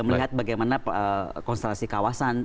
melihat bagaimana konstelasi kawasan